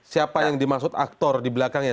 siapa yang dimaksud aktor di belakangnya